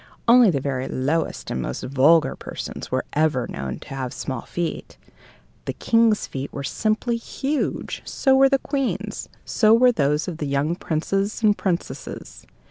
Only the very lowest and most vulgar persons were ever known to have small feet. The King's feet were simply huge; so were the Queen's; so were those of the young princes and princesses.